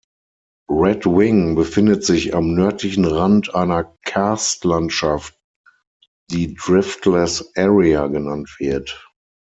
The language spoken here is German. Red Wing befindet sich am nördlichen Rand einer Karstlandschaft, die Driftless Area genannt wird.